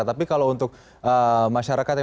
tapi kalau untuk masyarakatnya